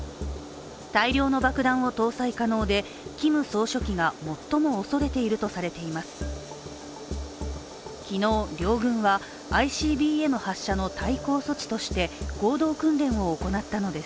大量の爆弾を搭載可能で、キム総書記が最も恐れているとされています。